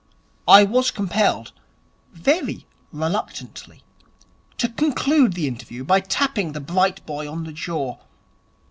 I was compelled, very reluctantly, to conclude the interview by tapping the bright boy on the jaw.